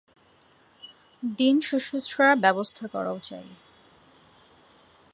দিন শুশ্রূষার ব্যবস্থা করাও চাই।